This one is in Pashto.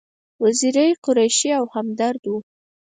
وزیری، قریشي او همدرد و.